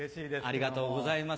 ありがとうございます。